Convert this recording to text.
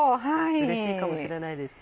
うれしいかもしれないですね。